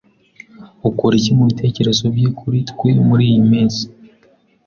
Ukora iki mubitekerezo bye kuri twe muriyi minsi?